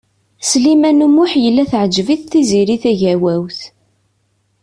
Sliman U Muḥ yella teɛǧeb-it Tiziri Tagawawt.